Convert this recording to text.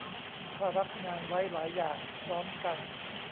ถ้ารับงานไว้หลายอย่างพร้อมกัน